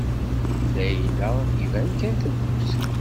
Layla iban kan temmut.